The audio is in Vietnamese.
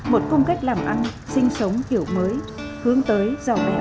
một phong cách làm ăn sinh sống kiểu mới hướng tới giàu đẹp ấm no